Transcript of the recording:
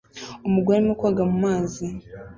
Umugore arimo koga mu mazi